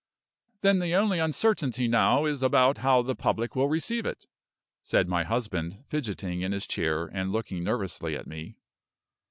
"Then the only uncertainty now is about how the public will receive it!" said my husband, fidgeting in his chair, and looking nervously at me.